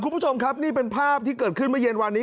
คุณผู้ชมครับนี่เป็นภาพที่เกิดขึ้นเมื่อเย็นวานนี้